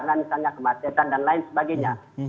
misalnya kemacetan dan lain sebagainya